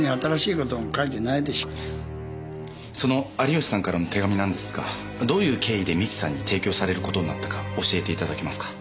その有吉さんからの手紙なんですがどういう経緯で三木さんに提供されることになったか教えていただけますか？